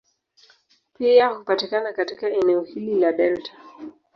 Pia hupatikana katika eneo hili la delta.